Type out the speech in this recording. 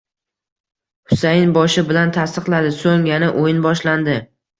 Husayin boshi bilan tasdiqladi, so'ng, yana o'yin boshlandi.